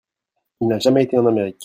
Il n'a jamais été en Amérique.